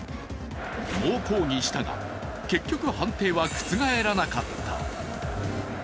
猛抗議したが、結局、判定は覆らなかった。